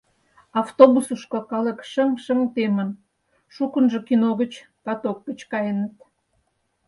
Автобусышко калык шыҥ-шыҥ темын: шукынжо кино гыч, каток гыч каеныт.